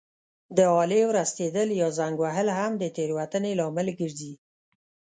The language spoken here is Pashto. د آلې ورستېدل یا زنګ وهل هم د تېروتنې لامل ګرځي.